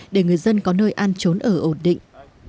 để người dân có nơi an trốn ở ổn định